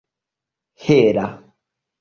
hela